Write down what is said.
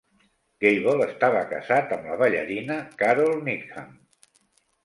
Gable estava casat amb la ballarina Carole Needham.